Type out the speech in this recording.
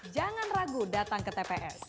jangan ragu datang ke tps